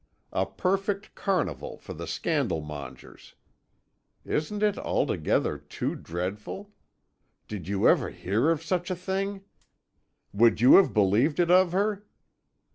A perfect carnival for the scandal mongers! 'Isn't it altogether too dreadful.' 'Did you ever hear of such a thing?' 'Would you have believed it of her?'